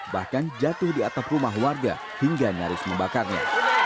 bahkan jatuh di atap rumah warga hingga nyaris membakarnya